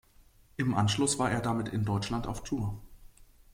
Im Anschluss war er damit in Deutschland auf Tour.